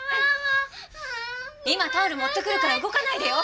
今タオル持ってくるから動かないでよ。